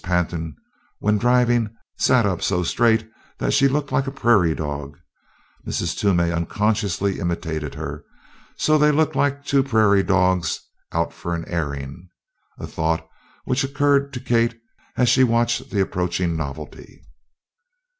Pantin when driving sat up so straight that she looked like a prairie dog. Mrs. Toomey unconsciously imitated her, so they looked like two prairie dogs out for an airing a thought which occurred to Kate as she watched the approaching novelty.